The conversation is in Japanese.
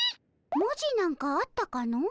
文字なんかあったかの？